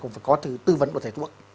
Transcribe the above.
cũng phải có tư vấn của thầy thuộc